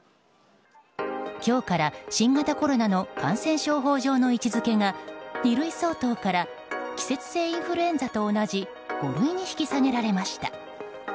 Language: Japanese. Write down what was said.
今日から新型コロナの感染症法上の位置づけが２類相当から季節性インフルエンザと同じ５類に引き下げられました。